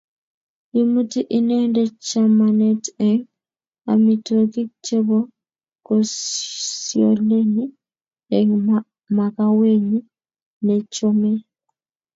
Imuti inendet chamanet eng amitwokik chebo kosgoleny eng makawenyi nechomei